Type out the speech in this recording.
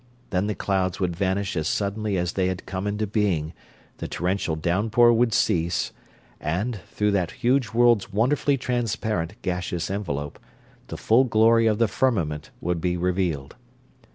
Then the clouds would vanish as suddenly as they had come into being, the torrential downpour would cease, and, through that huge world's wonderfully transparent, gaseous envelope, the full glory of the firmament would be revealed.